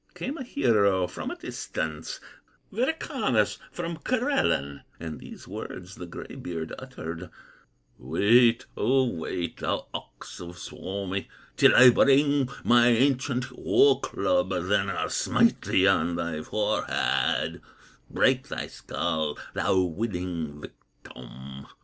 Came a hero from a distance, Wirokannas from Karelen, And these words the gray beard uttered: "Wait, O wait, thou ox of Suomi, Till I bring my ancient war club; Then I'll smite thee on thy forehead, Break thy skull, thou willing victim!